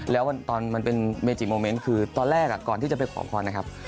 แล้วตอนมันเป็นเมจิโมเมนต์คือตอนแรกก่อนที่จะไปขอพรนะครับ